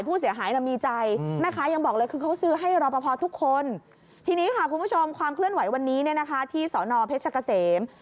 เขาซื้อให้ผมใช่ไหม